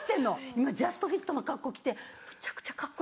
今ジャストフィットの格好着てむちゃくちゃカッコいい。